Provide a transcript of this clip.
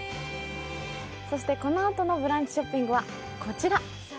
このあとのブランチショッピングはこちら。